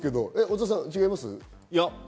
小澤さん、違います？